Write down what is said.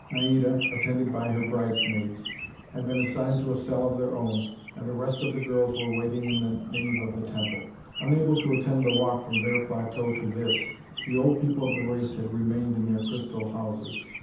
Naida, attended by her bridesmaids, had been assigned to a cell of their own, and the rest of the girls were waiting in the nave of the temple. Unable to attend the walk from their plateau to this, the old people of the race had remained in their crystal houses.